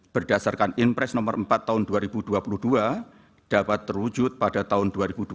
berdasarkan impres nomor empat tahun dua ribu dua puluh dua dapat terwujud pada tahun dua ribu dua puluh